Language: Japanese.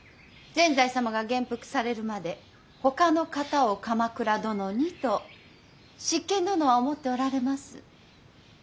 善哉様が元服されるまでほかの方を鎌倉殿にと執権殿は思っておられます。